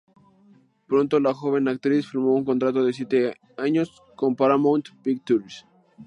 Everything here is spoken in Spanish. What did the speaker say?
Pronto la joven actriz firmó un contrato de siete años con Paramount Pictures.